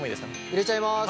入れちゃいます。